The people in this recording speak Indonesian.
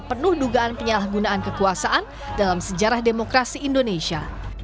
penuh dugaan penyalahgunaan kekuasaan dalam sejarah demokrasi indonesia